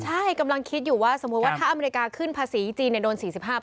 ใช่กำลังคิดอยู่ว่าสมมุติว่าถ้าอเมริกาขึ้นภาษีจีนโดน๔๕